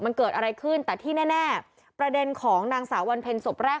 มันเกิดอะไรขึ้นแต่ที่แน่ประเด็นของนางสาววันเพ็ญศพแรก